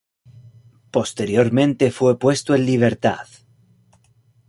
Posteriormente fue puesto en libertad.